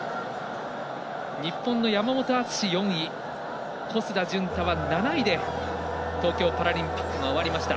日本の山本篤、４位小須田潤太は７位で東京パラリンピックが終わりました。